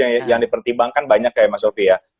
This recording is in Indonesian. yang dipertimbangkan banyak ya mas sofi ya